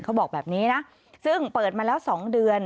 เขาบอกแบบนี้นะซึ่งเปิดมาแล้ว๒เดือน